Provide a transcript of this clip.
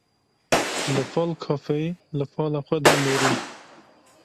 Li Fal kafeyê li fala xwe da nêrîn.